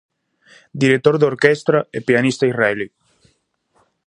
Director de orquestra e pianista israelí.